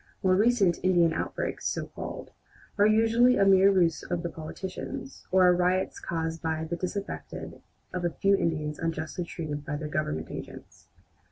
More recent "Indian outbreaks," so called, are usually a mere ruse of the politicians, or are riots caused by the disaffection of a few Indians unjustly treated by their Government agents.